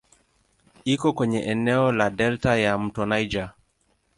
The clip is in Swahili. Iko kwenye eneo la delta ya "mto Niger".